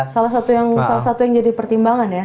salah satu yang jadi pertimbangan ya